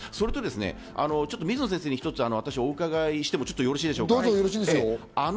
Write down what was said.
それと水野先生に一つお伺いしてもよろしいでしょうか？